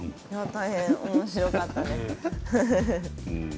大変おもしろかったです。